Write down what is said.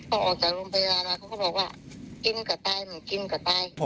พอออกจากโรงพยาบาลเขาก็บอกว่ากินกับได้มันกินกับได้